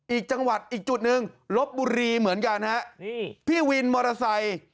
อีกจังหวัดอีกจุดหนึ่งลบบุรีเหมือนกันฮะนี่พี่วินมอเตอร์ไซค์